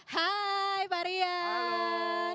hai pak rian